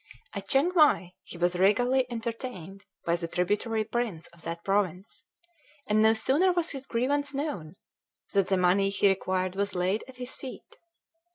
At Chiengmai he was regally entertained by the tributary prince of that province; and no sooner was his grievance known, than the money he required was laid at his feet.